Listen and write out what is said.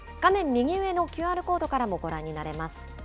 右上のＱＲコードからもご覧になれます。